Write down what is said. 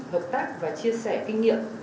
hợp tác và chia sẻ kinh nghiệm